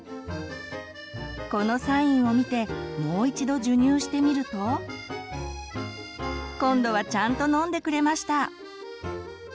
このサインを見てもう一度授乳してみると今度はちゃんと飲んでくれました！